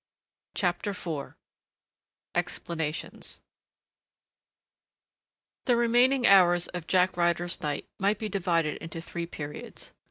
CHAPTER IV EXPLANATIONS The remaining hours of Jack Ryder's night might be divided into three periods.